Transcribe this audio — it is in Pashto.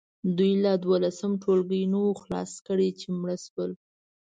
دوی لا دولسم ټولګی نه وو خلاص کړی چې مړه شول.